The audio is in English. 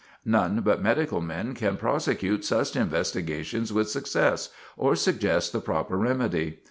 None but medical men can prosecute such investigations with success, or suggest the proper remedy.